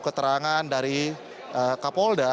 keterangan dari kapolda